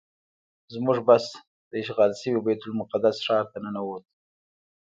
زموږ بس د اشغال شوي بیت المقدس ښار ته ننوت.